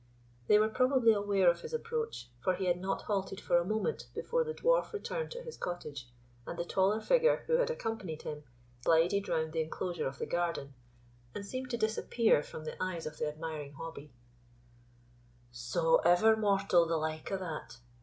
They were probably aware of his approach, for he had not halted for a moment before the Dwarf returned to his cottage; and the taller figure who had accompanied him, glided round the enclosure of the garden, and seemed to disappear from the eyes of the admiring Hobbie. "Saw ever mortal the like o' that!"